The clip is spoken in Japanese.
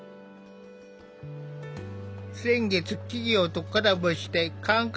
先月企業とコラボして感覚